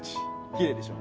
きれいでしょ？